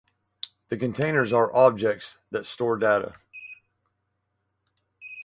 The Containers are objects that store data.